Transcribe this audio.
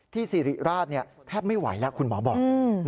สิริราชแทบไม่ไหวแล้วคุณหมอบอก